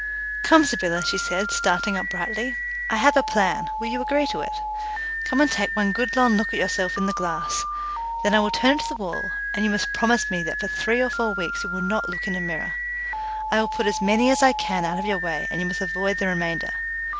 "Come, Sybylla," she said, starting up brightly, "I have a plan will you agree to it? Come and take one good long look at yourself in the glass, then I will turn it to the wall, and you must promise me that for three or four weeks you will not look in a mirror. I will put as many as I can out of your way, and you must avoid the remainder.